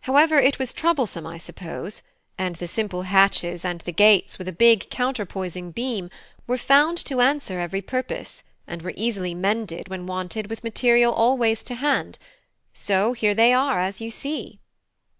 However, it was troublesome, I suppose, and the simple hatches, and the gates, with a big counterpoising beam, were found to answer every purpose, and were easily mended when wanted with material always to hand: so here they are, as you see."